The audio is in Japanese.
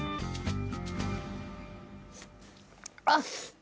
あっ！